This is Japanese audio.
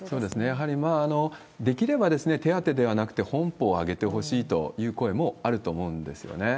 やはり、できれば手当ではなくて、本俸を上げてほしいという声もあると思うんですよね。